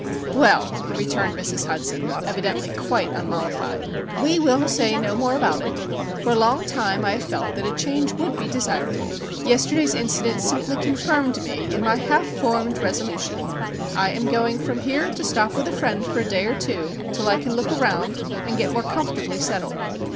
"Well," returned Mrs. Hudson, evidently quite unmollified, "we will say no more about it. For a long time I have felt that a change would be desirable. Yesterday's incident simply confirmed me in my half formed resolution. I am going from here to stop with a Friend for a day or two, till I can look around and get more comfortably settled."